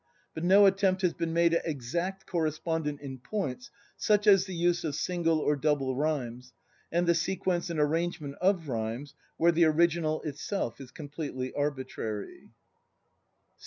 But no attempt has been made at exact correspondence in points, such as the use of single or double rhymes, and the sequence and arrangement of rhymes, where the original itself is completely arbitrary.